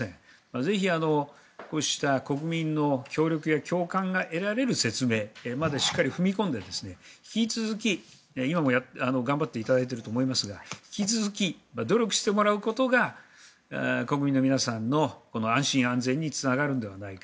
ぜひこうした国民の協力や共感が得られる説明までしっかり踏み込んで引き続き、今も頑張っていただいているとは思いますが引き続き努力してもらうことが国民の皆さんの安心安全につながるのではないか。